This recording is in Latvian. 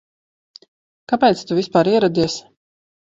Kāpēc tu vispār ieradies?